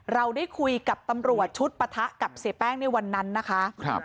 เราได้คุยกับตำรวจชุดปะทะกับเสียแป้งในวันนั้นนะคะ